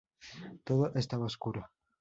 Todo estaba oscuro.